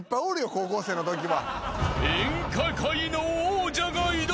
高校生のときは。